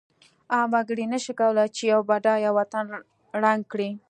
عام وګړی نشی کولای چې یو بډایه وطن ړنګ کړی.